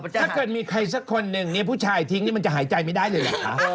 ถ้าเกิดมีใครสักคนหนึ่งเนี่ยผู้ชายทิ้งนี่มันจะหายใจไม่ได้เลยเหรอคะ